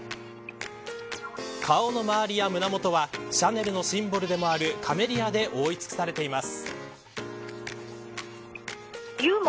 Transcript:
顔の周りや胸元はシャネルのシンボルでもあるカメリアで覆い尽くされています。